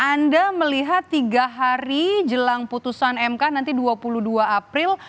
anda melihat tiga hari jelang putusan mk nanti dua puluh dua april